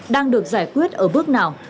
đang được giải quyết ở bước nào